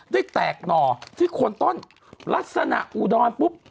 ได้แตกหน่อที่โคนต้นลักษณะอุดรปุ๊บ